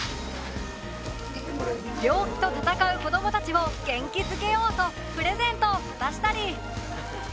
病気と闘う子どもたちを元気づけようとプレゼントを渡したり。